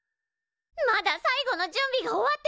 まだ最後の準備が終わってない。